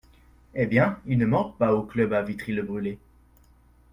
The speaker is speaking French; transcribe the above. Eh bien, ils ne mordent pas au club à Vitry-le-Brûlé.